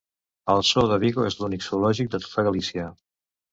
El zoo de Vigo és l'únic zoològic de tota Galícia.